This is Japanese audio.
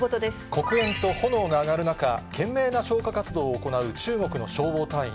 黒煙と炎が上がる中、懸命な消火活動を行う中国の消防隊員。